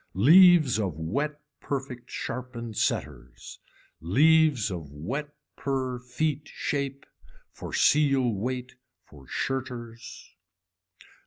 Leaves of wet perfect sharpen setters, leaves of wet purr feet shape for seal weight for shirters.